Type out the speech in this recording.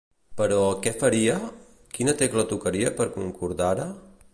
Però, què faria? Quina tecla tocaria que concordara?